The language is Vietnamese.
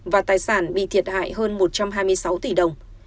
và tài sản bị thiệt hại hơn một trăm hai mươi sáu tỷ đồng